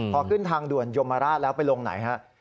พอขึ้นทางด่วนยมราชแล้วไปลงไหนฮะ